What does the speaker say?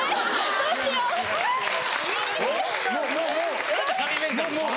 どうしよう！